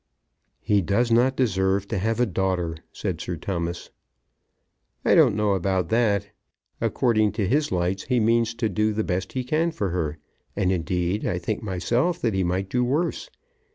"He does not deserve to have a daughter," said Sir Thomas. "I don't know about that. According to his lights, he means to do the best he can for her. And, indeed, I think myself that he might do worse.